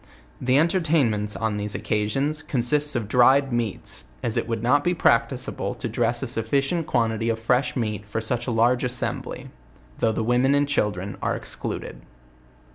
The entertainments on these occasions consist of dried meats, as it would not be practica ble to dress a sufficient quantity of fresh meat for such a large assembly; though the women and children are exclu ded.